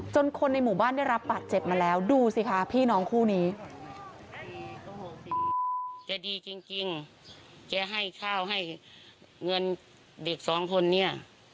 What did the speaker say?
คนในหมู่บ้านได้รับบาดเจ็บมาแล้วดูสิคะพี่น้องคู่นี้